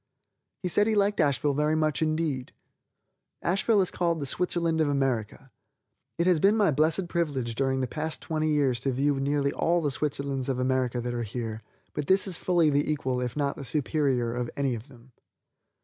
He said he liked Asheville very much indeed. Asheville is called the Switzerland of America. It has been my blessed privilege during the past twenty years to view nearly all the Switzerlands of America that are here, but this is fully the equal if not the superior of any of them.